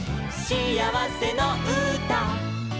「しあわせのうた」